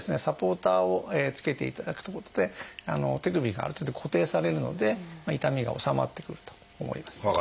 サポーターをつけていただくということで手首がある程度固定されるので痛みが治まってくると思います。